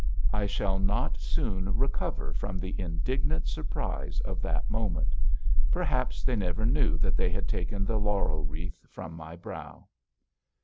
I shall not soon recover from the indignant surprise of that moment. Perhaps they never knew that they had taken the laurel wreath from my brow.